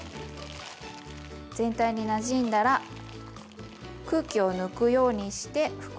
全体になじんだら空気を抜くようにして袋を閉じます。